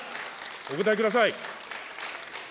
お答えください。